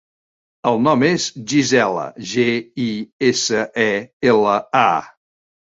El nom és Gisela: ge, i, essa, e, ela, a.